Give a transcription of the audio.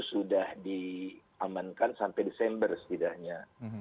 sudah diamankan sampai desember setidaknya